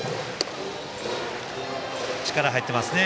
力が入っていますね